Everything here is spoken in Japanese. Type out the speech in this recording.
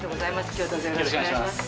今日どうぞよろしくお願いします